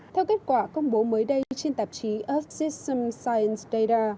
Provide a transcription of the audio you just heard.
theo kết quả công bố mới đây trên tạp chí earth system science data